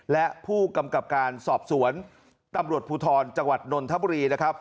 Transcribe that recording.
และผู้กำกับการสอบสวนตำรวจภูทรจังหวัดนนทบุรีนะครับ